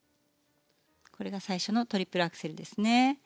これが最初のトリプルアクセルですね。